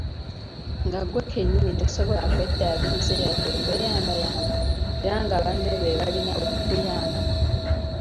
Nga ggwe kennyini tosobola kw'eddaabiriza wadde okweyambayamba era nga banno beebalina okukuyamba.